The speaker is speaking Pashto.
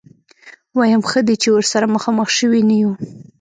ويم ښه دی چې ورسره مخامخ شوي نه يو.